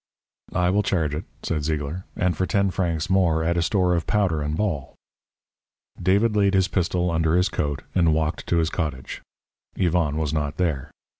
"I will charge it," said Zeigler. "And, for ten francs more, add a store of powder and ball." David laid his pistol under his coat and walked to his cottage. Yvonne was not there.